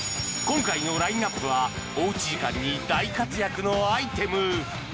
今回のラインナップはおうち時間に大活躍のアイテム